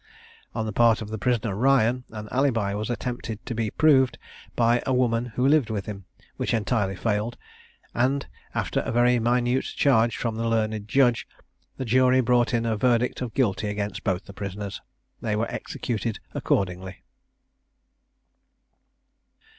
On the part of the prisoner Ryan, an alibi was attempted to be proved by a woman who lived with him, which entirely failed; and, after a very minute charge from the learned judge, the jury brought in a verdict of Guilty against both the prisoners. They were executed accordingly.